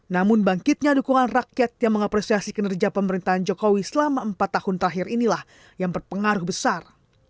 namun bangkitnya dukungan rakyat yang mengapresiasi kinerja pemerintahan jokowi selama empat tahun terakhir inilah yang berpengaruh besar